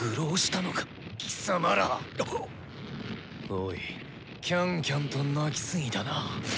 オイキャンキャンと鳴きすぎたな。